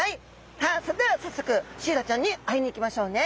さあそれでは早速シイラちゃんに会いに行きましょうね。